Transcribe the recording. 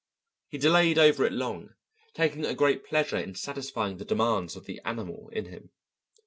He delayed over it long, taking a great pleasure in satisfying the demands of the animal in him.